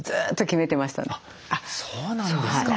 そうなんですか。